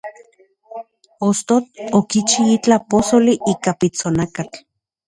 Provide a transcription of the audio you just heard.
Ostotl okichi itlaj posoli ika pitsonakatl.